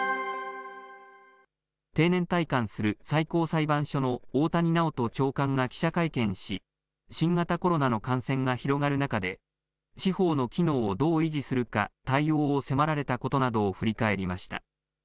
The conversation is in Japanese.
定年退官する最高裁判所の大谷直人長官が記者会見し、新型コロナの感染が広がる中で、司法の機能をどう維持するか、対応を迫られたことなどを振り返りました。